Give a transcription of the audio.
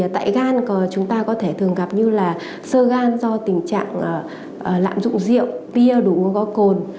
tại gan chúng ta có thể thường gặp như sơ gan do tình trạng lạm dụng rượu bia đủ có cồn